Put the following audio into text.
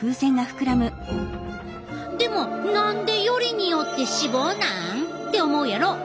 でも何でよりによって脂肪なん？って思うやろ？